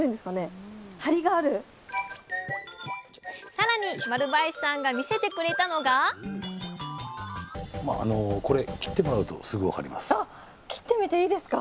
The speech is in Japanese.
更に丸林さんが見せてくれたのがあっ切ってみていいですか？